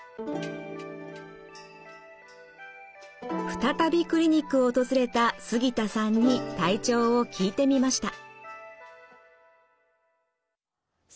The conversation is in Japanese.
再びクリニックを訪れた杉田さんに体調を聞いてみました。